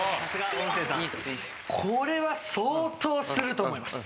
これは相当すると思います。